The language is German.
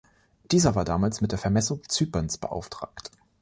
Dieser war damals mit der Vermessung Zyperns beauftragt.